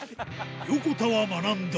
横田は学んだ。